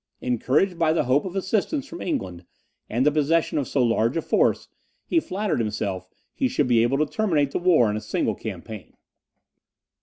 Encouraged by the hope of assistance from England, and the possession of so large a force, he flattered himself he should be able to terminate the war in a single campaign.